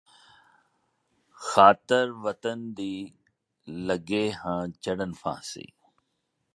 ਖਾਤਰ ਵਤਨ ਦੀ ਲੱਗੇ ਹਾਂ ਚੜ੍ਹਨ ਫਾਂਸੀ